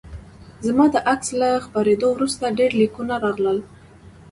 زما د عکس له خپریدو وروسته ډیر لیکونه راغلل